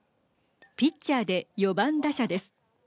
ピッチャーで４番打者です。